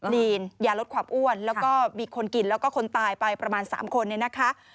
ลีนยาลดความอ้วนแล้วก็มีคนกินแล้วก็คนตายไปประมาณ๓คนเนี่ยนะคะ